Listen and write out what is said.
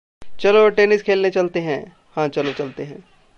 "चलो टेनिस खेलने चलतें हैं।" "हाँ, चलो चलतें हैं"